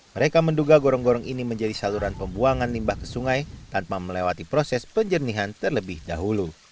mereka menduga gorong gorong ini menjadi saluran pembuangan limbah ke sungai tanpa melewati proses penjernihan terlebih dahulu